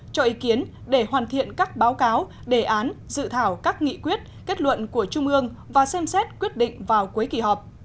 cho ý kiến để hoàn thiện các báo cáo đề án dự thảo các nghị quyết kết luận của trung ương và xem xét quyết định vào cuối kỳ họp